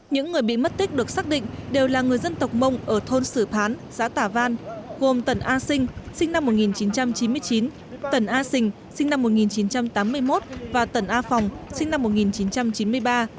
những người bị mất tích được xác định đều là người dân tộc mông ở thôn sử phán xã tả văn gồm tần a sinh sinh năm một nghìn chín trăm chín mươi chín tần a sình sinh năm một nghìn chín trăm tám mươi một và tần a phòng sinh năm một nghìn chín trăm chín mươi ba